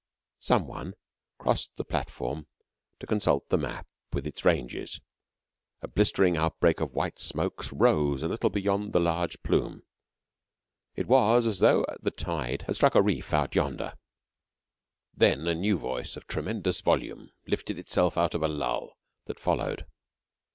Some one crossed the platform to consult the map with its ranges. A blistering outbreak of white smokes rose a little beyond the large plume. It was as though the tide had struck a reef out yonder. Then a new voice of tremendous volume lifted itself out of a lull that followed.